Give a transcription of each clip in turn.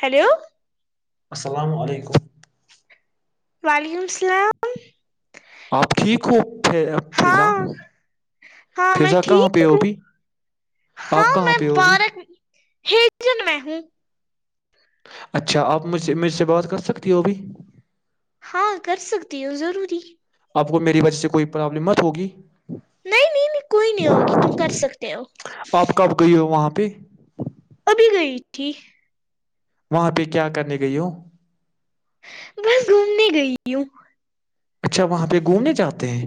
hello السلام علیکم وعلیکم السلام آپ ٹھیک ہو فی- فضا ہاں ہاں میں فضا کہاں ٹھیک پہ ہو ہوں ابھی آپ ہاں کہاں میں پہ ہو ابھی بارک ہیجن میں نہیںی اچھا آپ مجھ مجھ سے بات کرسکتے ہو ا بھیھی ہاں کر سکتی ہو ضروری آپ کو میری وجہ سے کوئی پرابلم مت ہوگی نہیں نہیں نہیں کوئی نہیں ہوگی ت کر سکتے ہو ت ابھی گئی تھی وہاں پہ کیا کرنے گئی ہوں بس گھومنے گئی ہوں اچھا وہاں پہ گھومنے جاتے ہیں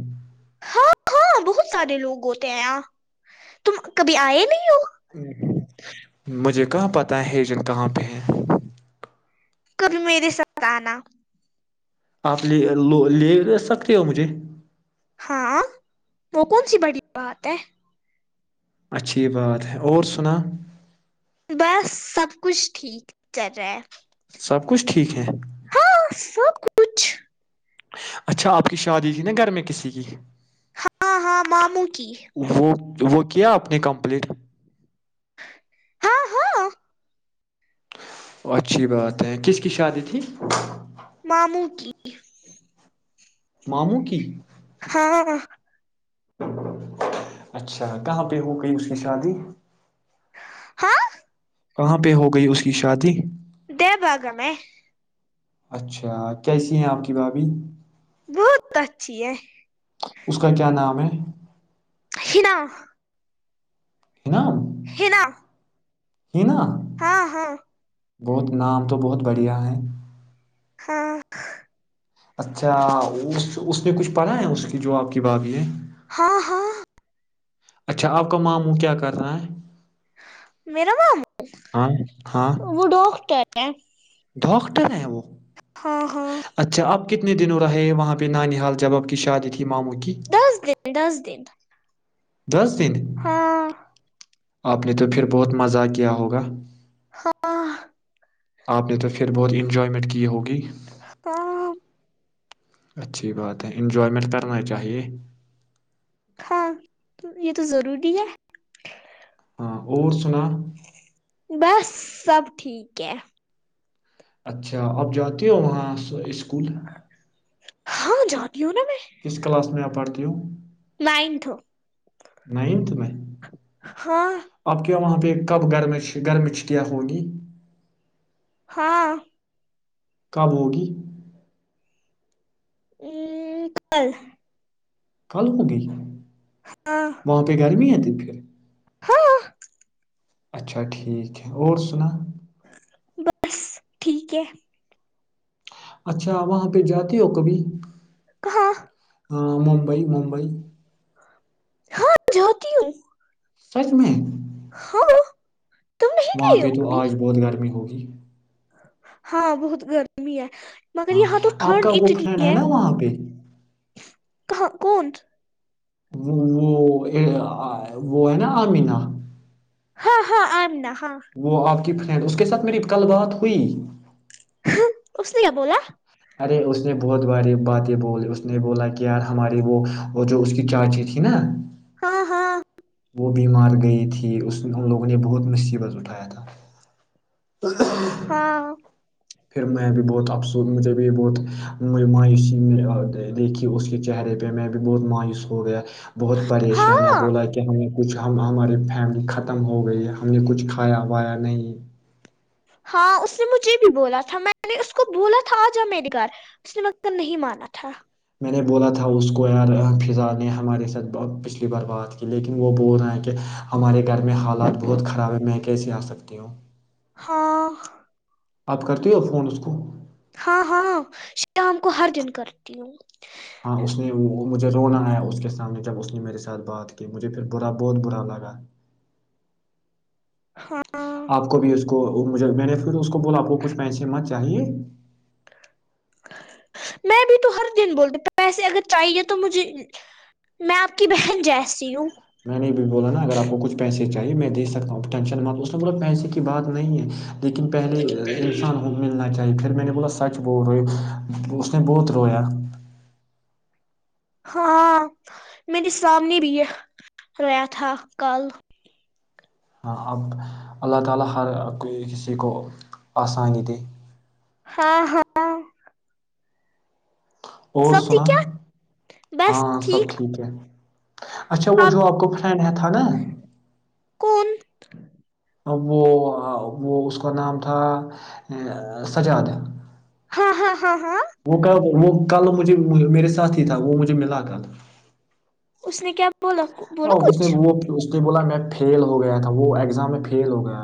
ہاں ہاں بہت سارے لوگ ہوتے ہیں اں تم کبھی آئے نہیں ہو مجھے کہاں پتا ہے ہجن کہاں پہ ہے کبھی میرے ساتھ آنا اپلی لو لے ل سکتے ہو مجھے ہاں وہ کون سی بڑی بات ہے اچھی بات ہے اور سنا بس سب کچھ ٹھیک چل رہا ہے سب کچھ ٹھیک ہے ہاں سب کچھ اچھا آپ کی شادی تھی نا گھر میں کسی کی ہاں ہاں ماموں کی وہ وہ کیا آپ نے کمپلیٹ ہاں ہاں اچھی بات ہے کس کی شادی تھی معمو کی جی [inaudible] مامو کی ہاں [inaudible] اچھا کہاں پہ ہو گئی اس کی شادی ہاں کہاں پہ ہو گئی اس کی شادی د بھاگ میں ہے اچھا کیسی ہیں آپ کی بھاابھی بہت اچھی ہے اس کا کیا نام ہے ہیناا ہے نا ہےلاا ہی نا ہاں ہاں بہت نام تو بہت بڑھیا ہیں ہاں اچھا اس اس نے کچھ پڑھا ہے اس کی جو آپ کی بھابھی ہے ہاں ہاں اچھا آپ کا ماموں کیا کر رہا ہے میرا نام ہاں وہ ڈاکٹر ہے دکٹ نہیں ہے وہ ہاں ہاں اچھا آپ کتنے دنوں رہے وہاں پہ نانی حال جباب کی شادی تھی ماموں کی دس دن دس دن دس دن ہاں آپ نے تو پھر بہت مزہ کیا ہوگا ہاں آپ نے تو پھر بہت انجوائمنٹ کی ہوگی ہاں اچھی بات ہے انجوائمنٹ کرنا چاہیے ہاں یہ تو ضروری ہے ہاں اور سنا بس سب ٹھیک ہے اچھا آپ جاتی ہو وہاں اسکول ہاں جات کس کلاس میں آپ پڑھتے توں نائنتھ نائنت میں ہاں آپ کیا وہاں پ کب گرمچ گرمیچ کیا ہو گی ہاں کب ہوگی ا کل کل ہو گئی ہاں وہاں پہ گرمی ہے ت السلام علیکم محترم ہاں اچھا ٹھیک ہے اور سنا بس ٹھیک ہے اچھا وہاں پہ جاتی ہو کبھی ہاں [unintelligible] ہاں ممبئی ممبئی جھاتتی ہوں [unintelligible] سچ میں ہاں [unintelligible] وہاں گئے پہ ہو تو کبھی آج بہت گرمی ہوگی ج [unintelligible] ہاں بہت گرمی ہے مگر ہاں یہاں تو آپ کا ٹھنڈ وہ فرینڈ اتنی ہے نا وہاں پہ کہاں کون وہ وہ ہے نا امینا [unintelligible] ہاں ہاں ای ن [unintelligible] وہ آپ [unintelligible] فرینڈ اس کے ساتھ میری کل بات ہوئی اس نے کیا بولا ارے اس نے بہت باری باتیں بولی اس نے بولا کہ یار ہماری وہ اور جو اس کی چاچی تھی نا ہاں ہاں وہ بیمار گئی تھی اس ہم لوگوں نے بہت مصیبت اٹھایا تھا ہاں [unintelligible] پھر میں بھی بہت افسوس مجھے بھی بہت مایوسی میں دیکھی اس کے چہرے پہ میں بھی بہت مایوس ہو گیا بہت پریشان ہے ہاں بولا کہ ہمیں کچھ ہم ہمارے فیملی ختم ہو گئی ہے ہم نے کچھ کھایا وایا نہیں ہاں اس نے مجھے بھی بولا تھا میں نے اس کو بولا تھا آ جا میے گھر اس نے م نہیں مانا تھا میں نے بولا تھا اس کو یار فضا نے ہمارے ساتھ پچھلی بار بات کی لیکن وہ بول رہے ہیں ہمارے گھر میں حالات بہت خراب ہے میں کیا کیسے آ سکتی ہوں [unintelligible] ہاں [unintelligible] آپ کرتی ہو فون اس کو ہاں ہاں شیام کو ہر دن کرتی ہوں ہاں اس نے مجھے رونا ہے اس کے سامنے جب اس نے میرے ساتھ بات کی مجھے پھر برا بہت برا لگا ہاں آپ کو بھی اس [unintelligible] کو مجھے میں نے پھر اس کو بولا آپ کو کچھ پیسے مت چاہیے میں بھی تو ہر دن بولتے پیسے اگر چاہیے تو مجھے میں آپ کی بہن جیسی ہوں میں نے بھی بولا نا اگر آپ کو کچھ پیسے چاہے میں دے سکتا ہوں ٹینشن م اس نے بولا پیسے کی بات نہیں ہے لیکن پہلے انسان ملنا چاہیے پھر میرے بلا سچ بہت روئی اس نے بہت رویا [unintelligible] ہاں میرے سامنے بھی یہ رہیا تھا کل ہاں اب اللہ تعالی ہر کو کسی کو آسانی دے ہاں ہاں [unintelligible] اور سبزی سنا کیا ہاں سب ٹھیک ہے اچھا وہ جو آپ کو فرینڈ ہے تھا نا ہ [unintelligible] ا وہ وہ اس کا نام تھا سجادہ [unintelligible] ہاں ہاں ہاں ہاں [unintelligible] وہ کل مجھے میرے ساتھی تھا وہ مجھے ملا کل [unintelligible] اس نے کیا [inaudible] ا بولا سے کچھ وہ [unintelligible] نے بولا میں فیل ہو گیا تھا وہ ایگزام میں فیل ہو گیا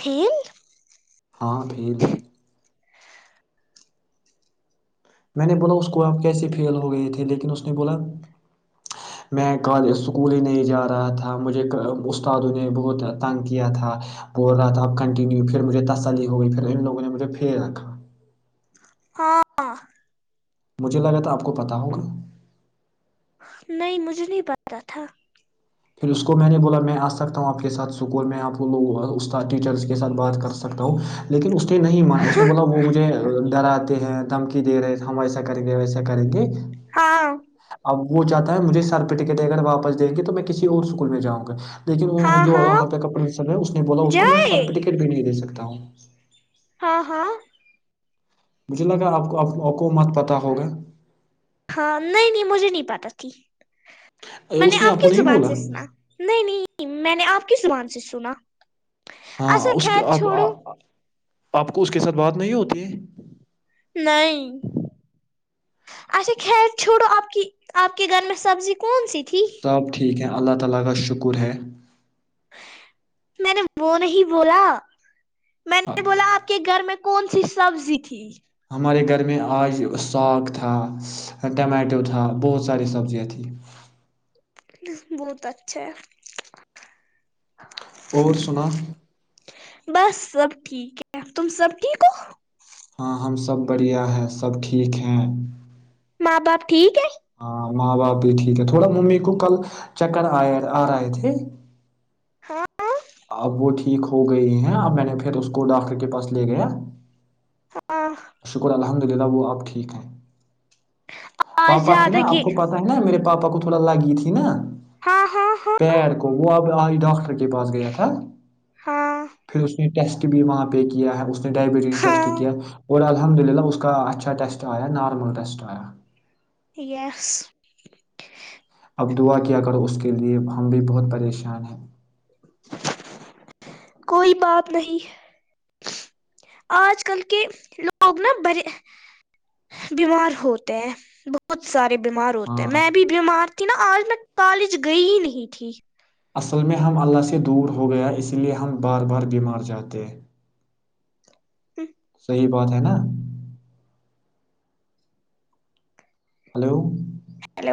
پھر ہاں بھی [inaudible] [unintelligible] ہاں [inaudible] مجھے لگ رہا تھا آپ [unintelligible] نہیں مجھے نہیں پتا [inaudible] ا تھا [inaudible] پھر اس کو میں نے بولا میں آ سکتا ہوں آپ کے ساتھ اسکول میں آپ ل استاد ٹیچرس کے ساتھ بات کر سکتاوں [unintelligible] لیکن اس نے نہیں مانا اس نے بولا وہ مجھے ڈراتے ہیں [unintelligible] دمکی دے رہے ہم ایسا کریں گے ویسا کریں گے ہاں [unintelligible] اب [inaudible] وہ چاہتا ہےجھے سر پ ٹ اگر واپ د گی تو میں [unintelligible] کسی اور اسکول میں جاؤں گا تو [unintelligible] ہاں لیکن جو ہاں وہاں پہ کاپسر ہے اس نے بولا اس کو میں جائے سرٹیفکٹ بھی نہیں دے سکتا [unintelligible] بتاؤں [inaudible] ہاں ہاں [unintelligible] مجھے لگا آپ کوپ ہاں نہیں نہیں مجھے نہیں پتا پکی میں نے اس آپ کو کیس نہیں زبان بولا سے سنا نہیں نہیں میں نے آپ کسمان سے سنا ہاں اچھا اس کے خیر چھوڑو آپ کو اس کے ساتھ بات نہیں ہوتی ہے نہیں اچھا خیر چھوڑو آپ کی آپ کے گھر میں سبزی کون سی تھی سب ٹھیک ہے [unintelligible] میں نے وہ نہیں بولا میں نے بولا آپ کے گھر میں کون سی سبزی تھی ہمارے گھر میں آج ساگ تھا ٹمیٹو تھا بہت ساری سبزیاں تھیں بہت اچھا اور سنا بس سب ٹھیک ہے تم سب ٹھیک ہو ہاں ہم سب بڑھیا ہیں سب ٹھیک ہیں ماں باپ ٹھیک ہے ہاں ماں باپ بھی ٹھیک ہے تھوڑا ممی کو کل چکر آ آ رہے تھے [unintelligible] اب وہ ٹھیک ہو گئی ہیں اب میں نے پھر اس کو ڈاکٹر کے پاس لے گیا [unintelligible] [inaudible] آج پاپا تھے نا زیادہ آپ کی کو پتا ہے نا میرے پاپا کو تھوڑا لگی تھی نا ہاں ہاں ہاں پیر کو آ [unintelligible] [unintelligible] [unintelligible] ٹیسٹ بھی وہاں پہ کیا ہے اس نے ڈائبٹی ٹیسٹ ہاں کی اور الحمدللہ اس کا اچھا ٹیسٹ ایا نارمل ٹیسٹ ایا [unintelligible] اب دعا کیا کرو اس کے لیے ہم بھی بہت پریشان ہیں کوئی بات نہیں آج کل کے لوگ نا بڑے بیمار ہوتے ہیں بہت سارے بیمار ہوتے ہیں ہاں میں بھی بیمار تھی نا آج میں کالج گئی ہی نہیں تھی اصل میں ہم اللہ سے دور ہو گیا اسی لیے ہم بار بار بیمار جاتے [unintelligible] صحی بات ہے نا ہلو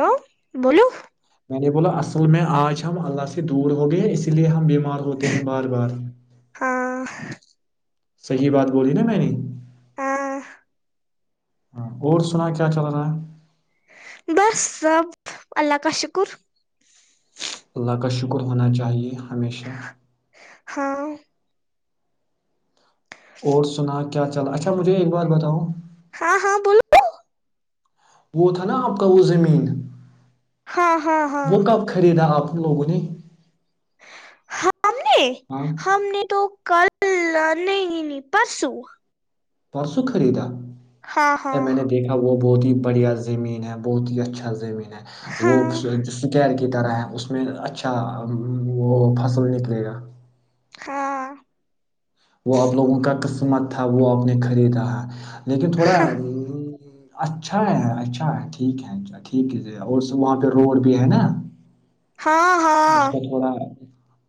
[unintelligible] میں نے بولا اصل میں آج ہم اللہ سے دور ہو گئے اس لیے ہم بی ہوتے ہیں بار بار ہاں صحیح بات بو رہلی نا میں نے ہ [inaudible] ہ اور سنا کیا چل رہا ہے سب اللہ کا شکر اللہ کا شکر ہونا چاہیے ہمیشہ ہاں اور سنا کیا چلا اچھا مجھے ایک بات بتاؤ ہاں ہاں بولو وہ تھا نا آپ کا وہ زمین ہاں ہاں ہاں وہ کب خریدا آپ سب لوگ نہیں [unintelligible] ہم نے ہم نے تو کل نہیں نی پرسو پرسوں خریدا ا ہاں میں نے دیکھا وہ بہت ہی بڑھیا زمین ہے بہت ہی اچھا زمین وہ ہاں سکر کے [unintelligible] کی طرح ہے اس میں اچھا وہ فصل نکلے گا ہاں وہ آپ لوگوں کا قسمت تھا وہ آپ نے خریدا لیکن تھوڑا اچھا ہے اچھا ٹھیک ہے اچھا ٹھیک ہے ج اور وہاں پہ روڈ بھی ہے نا ہاں ہاں اس [unintelligible] کا تھوڑا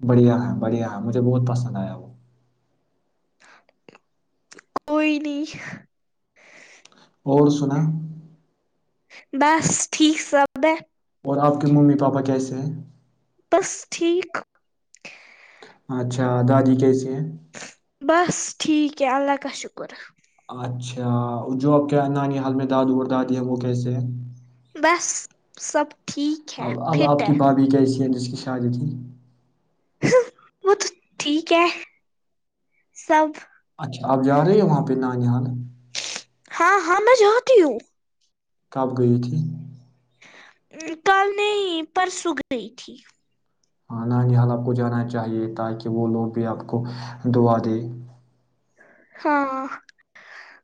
بڑھیا ہے بڑھیا ہے مجھے بہت پسند آیا وہ کوئی نہیں اور سنا بس ٹھیک سب ہے اور آپ کے ممی پاپا کیسے ہیں بس ٹھیک اچھادادی کیسے ہیں بس ٹھیک ہے اللہ کا شکر اچھا جو آپ کے نانی حال میں دادو اور دادی ہیں وہ کیسے ہیں بس سب ٹھیک ہے فٹ ہے شا ج تھی [unintelligible] وہ تو ٹھیک ہے سب اچھا آپ جا رہے ہیں وہاں پہ ن جان ہاں ہاں میں جاتتی ہوں کب گئی تھی کل نہیں پر سوکھ گئی تھی ہاں نانی حال آپ کو جانا چاہیے تاکہ وہ لوگ بھی آپ کو دعا دے ہاں [inaudible]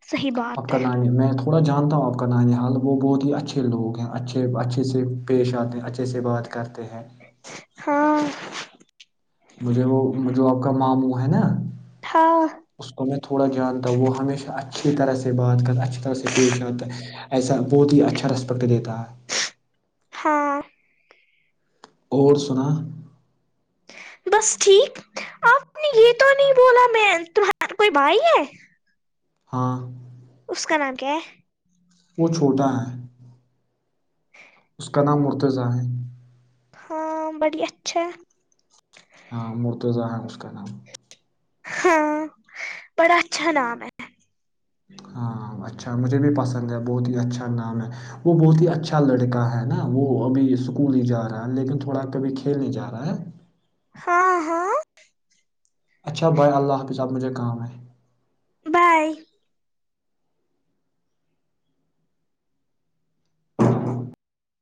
آپ کا نام ہے میں تھوڑا جانتا ہوں آپ کا نانی حال وہ بہت ہی اچھے لوگ ہیں اچھے اچھے سے پیش آتے ہیں اچھے سے بات کر ہاں [inaudible] مجھے وہ جو آپ کا ماموں ہے نا ہاں اس کو میں تھوڑا جانتا ہوں وہ ہمیشہ اچھی طرح سے بات کر اچھی طرح سے پیش آتا ایسا بہت ہی اچھا ریسپیکٹ دیتا ہے ہاں [inaudible] اور سنا بس ٹھیک آپ نے یہ تو نہیں بولا میں تمہار کوئی بھائی ہے ہاں اسس کا نام کیا وہ چھوٹا ہے السلام علیکم محترم بھائی ہاں بڑی اچھا ہاں مور تو ز ہے مشکان ہاں بڑا اچھا نام ہے ہاں اچھا مجھے بھی پسند ہے بہت ہی اچھا نام ہے وہ بہت ہی اچھا لڑکا ہے نا وہ ابھی اسکول ہی جا رہا ہے لیکن تھوڑا کبھی کھیل نہیں جا رہا ہے ہاں ہاں اچھا بھائے اللہ حافظ آپ مجھے کام ہے بائے